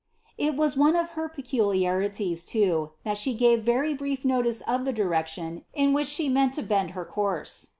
"* It was one of her peculiariiiei, too, that she gave very brief notice of the direction tn which she meant to bend her course.